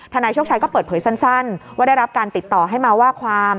นายโชคชัยก็เปิดเผยสั้นว่าได้รับการติดต่อให้มาว่าความ